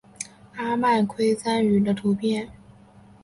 阿曼蛙蟾鱼的图片